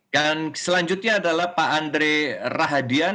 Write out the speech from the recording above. dan selanjutnya adalah pak andre rahadian